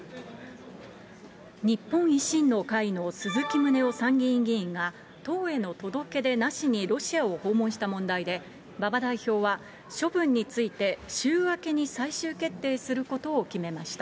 日本維新の会の鈴木宗男参議院議員が、党への届け出なしにロシアを訪問した問題で、馬場代表は処分について、週明けに最終決定することを決めました。